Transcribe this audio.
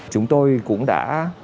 chúng tôi cũng đã